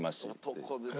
男ですね！